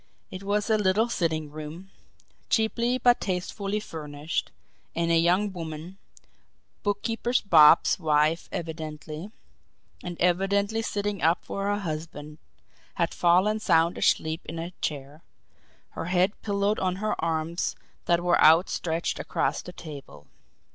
It was a little sitting room, cheaply but tastefully furnished, and a young woman, Bookkeeper Bob's wife evidently, and evidently sitting up for her husband, had fallen sound asleep in a chair, her head pillowed on her arms that were outstretched across the table.